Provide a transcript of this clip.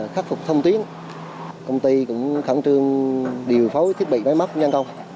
khắc phục thông tuyến công ty cũng khẳng trương điều phối thiết bị máy mắp nhân công